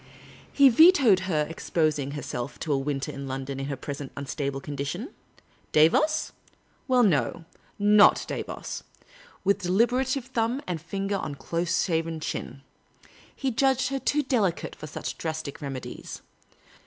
He vetoed her exposing herself to a winter in London in her present unstable condition. Davos ? Well, no. Not Davos ; with deliberative thumb and finger on close shaven chin. He judged her too delicate for such drastic remedies.